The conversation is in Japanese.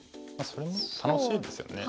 それも楽しいですよね。